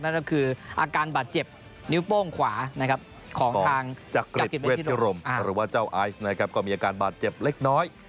นั่นก็คืออาการบาดเจ็บนิ้วโป้งขวานะครับของทางจักริจเวทพิรมหรือว่าเจ้าไอซ์นะครับก็มีอาการบาดเจ็บเล็กน้อย